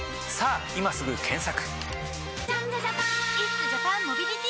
さぁ今すぐ検索！